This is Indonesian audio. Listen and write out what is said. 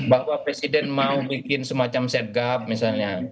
bahwa presiden mau bikin semacam setgap misalnya